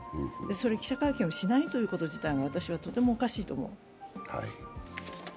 記者会見をしないということ自体が私はとてもおかしいと思う。